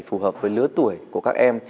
phù hợp với lứa tuổi của các em